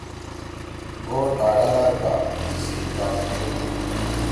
گو ٹاکھا لار گا تیِسی ڈاگ پھورُو ۔